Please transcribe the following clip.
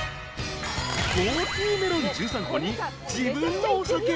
［高級メロン１３個に自分のお酒］